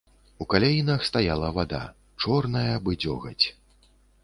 У каляінах стаяла вада, чорная, бы дзёгаць.